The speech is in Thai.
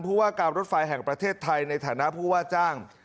ผู้ว่าการรถไฟแห่งประเทศไทยในฐานะผู้ว่าจ้าง